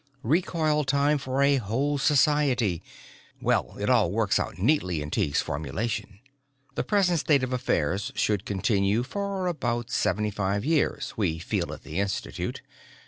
Recoil time for a whole society well, it all works out neatly in Tighe's formulation. The present state of affairs should continue for about seventy five years, we feel at the Institute.